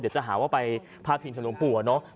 เดี๋ยวจะหาว่าไปพาดพิงถึงหลวงปู่อะเนาะ